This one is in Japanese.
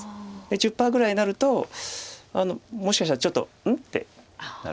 １０％ぐらいになるともしかしたらちょっと「うん？」ってなる。